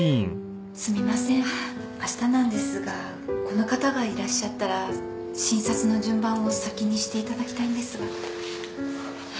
すみませんあしたなんですがこの方がいらっしゃったら診察の順番を先にしていただきたいんですが。